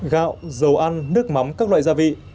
gạo dầu ăn nước mắm các loại gia vị